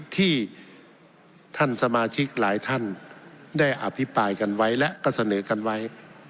ที่ท่านสมาชิกหลายท่านได้อภิปรายกันไว้และก็เสนอกันไว้